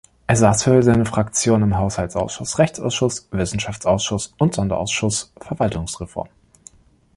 Er saß für seine Fraktion im Haushaltsausschuss, Rechtsausschuss, Wissenschaftsausschuss und Sonderausschuss Verwaltungsreform.